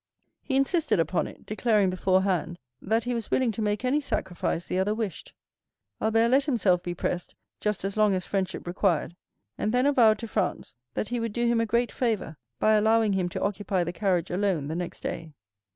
He insisted upon it, declaring beforehand that he was willing to make any sacrifice the other wished. Albert let himself be pressed just as long as friendship required, and then avowed to Franz that he would do him a great favor by allowing him to occupy the carriage alone the next day.